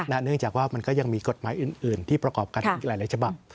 เนื่องจากว่ามันก็ยังมีกฎหมายอื่นที่ประกอบกันอีกหลายฉบับ